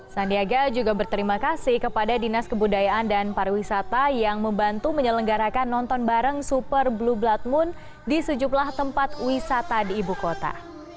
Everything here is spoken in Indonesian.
sandiaga juga berterima kasih kepada dinas kebudayaan dan pariwisata yang membantu menyelenggarakan nonton bareng super blue blood moon di sejumlah tempat wisata di ibu kota